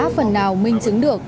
các phần nào minh chứng được